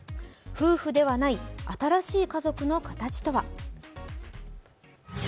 夫婦ではない新しい家族の形とは。